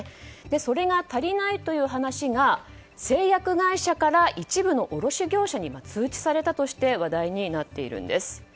それが足りないという話が製薬会社から一部の卸業者に通知されたとして話題になっているんです。